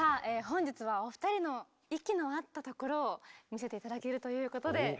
本日はお二人の息の合ったところを見せて頂けるということで。